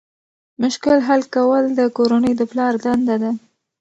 مشکل حل کول د کورنۍ د پلار دنده ده.